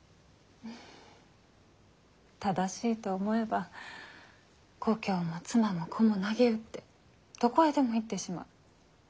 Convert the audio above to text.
正しいと思えば故郷も妻も子もなげうってどこへでも行ってしまう。